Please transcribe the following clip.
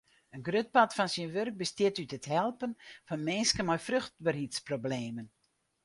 In grut part fan syn wurk bestiet út it helpen fan minsken mei fruchtberheidsproblemen.